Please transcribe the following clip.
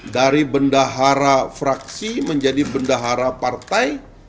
dari bendahara fraksi menjadi bendahara partai